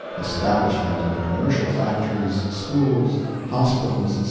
Establishment of commercial factories, schools, hospitals, etc.